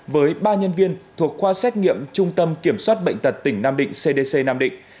với ba nhân viên thuộc khoa xét nghiệm trung tâm kiểm soát bệnh tật tỉnh nam định cdc nam định